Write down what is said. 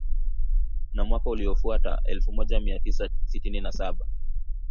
Na mwaka uliofuata, elfu moja mia tisa sitini na saba